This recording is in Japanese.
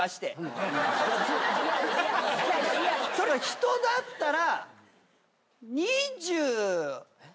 人だったら。